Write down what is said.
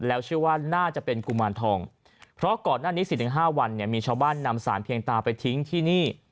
แล้วเชื่อว่าน่าจะเป็นกุมารทองเพราะก่อนหน้านี้๔๕วันเนี่ยมีชาวบ้านนำสารเพียงตาไปทิ้งที่นี่